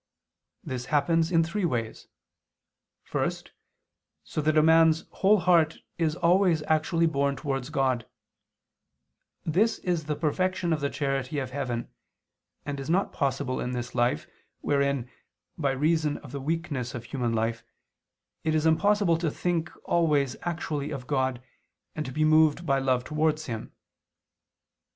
This happens in three ways. First, so that a man's whole heart is always actually borne towards God: this is the perfection of the charity of heaven, and is not possible in this life, wherein, by reason of the weakness of human life, it is impossible to think always actually of God, and to be moved by love towards Him.